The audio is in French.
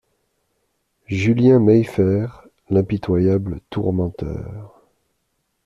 Julien Mayfair, l'impitoyable tourmenteur.